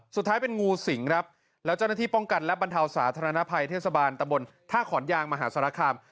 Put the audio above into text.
สุดท้ายเป็นงูสิงและเจ้านาที่ป้องกันและบรรทาวสาธารณภัยเทขสบานตบนท่าขอนยางมหาศาลคม